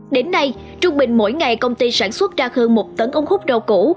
đến nay trung bình mỗi ngày công ty sản xuất ra hơn một tấn ống hút rau củ